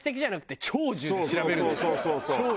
そうそうそうそう。